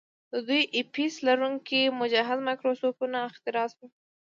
د دوه آی پیس لرونکي مجهز مایکروسکوپونه اختراع شول.